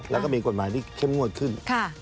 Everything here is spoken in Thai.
แล้วก็มีกฎหมายที่เข้มงวดขึ้น